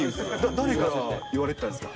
誰から言われてたんですか？